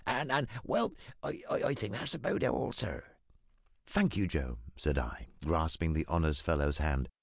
And and well, I think that's about all, sir." "Thank you, Joe," said I, grasping the honest fellow's hand.